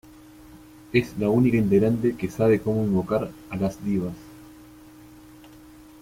Es la única integrante que sabe como invocar a las Divas.